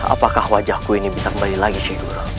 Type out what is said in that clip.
apakah wajahku ini bisa kembali lagi syekh guru